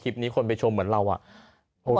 แถมมีสรุปอีกต่างหาก